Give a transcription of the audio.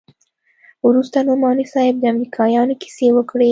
وروسته نعماني صاحب د امريکايانو کيسې وکړې.